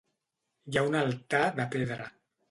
Hi ha un altar de pedra.